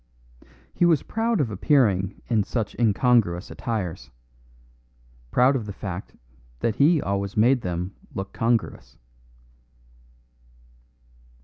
He was proud of appearing in such incongruous attires proud of the fact that he always made them look congruous.